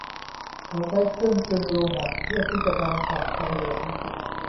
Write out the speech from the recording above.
เขาใช้เครื่องกลึงโลหะเพื่อที่จะทำแผ่นทองเหลือง